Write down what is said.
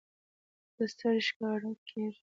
زه ستړی ښکاره کېږم.